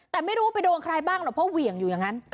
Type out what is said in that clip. แต่ไม่รู้ว่าไปโดนใครบ้างหรอกเพราะเหวี่ยงอยู่อย่างนั้น